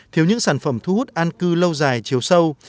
thiếu những sản phẩm thu hút an cư lâu dài chiều sâu